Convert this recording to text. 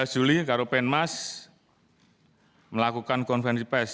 sebelas juli karupen mas melakukan konvensi pes